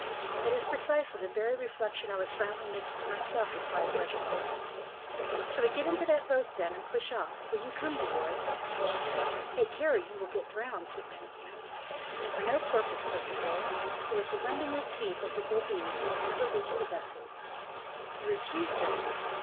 "That is precisely the very reflection I was silently making to myself," replied Bragelonne. "Shall we get into that boat, then, and push off? Will you come, De Wardes?" "Take care, or you will get drowned," said Manicamp. "And for no purpose," said De Wardes, "for with the wind in your teeth, as it will be, you will never reach the vessels." "You refuse, then?"